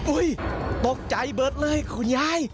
ตกใจเบิดเลยคุณยาย